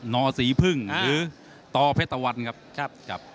อสีพึ่งหรือต่อเพชรตะวันครับ